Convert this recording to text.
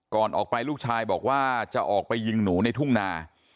ก่อนออกไปลูกชายบอกว่าจะออกไปยิงหนูในทุ่งนา